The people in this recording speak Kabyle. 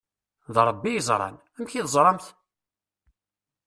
D Ṛebbi i yeẓṛan! "Amek i teẓṛamt?"